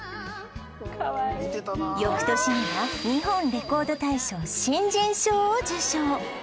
翌年には日本レコード大賞新人賞を受賞